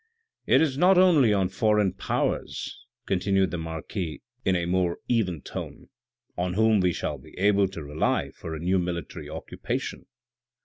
11 It is not only on foreign powers," continued the marquis in a more even tone, " on whom we shall be able to rely for a new military occupation.